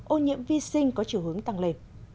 ô nhiễm vi sinh có chủ hướng tăng lệ